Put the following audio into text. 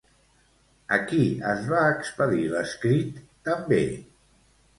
A qui es va expedir l'escrit també?